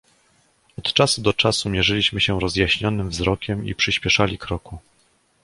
"Od czasu do czasu mierzyliśmy się rozjaśnionym wzrokiem i przyśpieszali kroku."